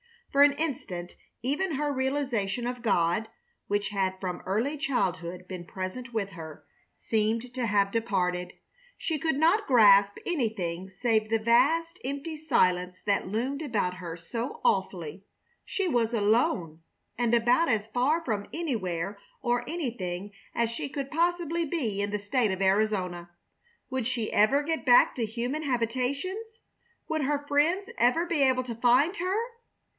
For an instant even her realization of God, which had from early childhood been present with her, seemed to have departed. She could not grasp anything save the vast empty silence that loomed about her so awfully. She was alone, and about as far from anywhere or anything as she could possibly be in the State of Arizona. Would she ever get back to human habitations? Would her friends ever be able to find her?